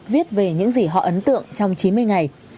viết về những gì họ ấn tượng trong chín mươi ngày